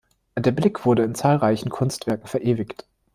Der Blick wurde in zahlreichen Kunstwerken verewigt.